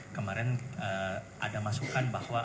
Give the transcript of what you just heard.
kemarin ada masukan bahwa